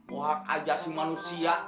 wahak aja si manusia